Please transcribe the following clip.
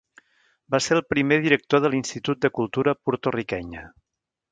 Va ser el primer director de l'Institut de Cultura Porto-riquenya.